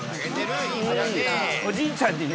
おじいちゃんにね。